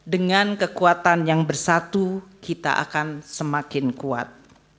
dengan kekuatan yang bersatu kita akan semakin kuat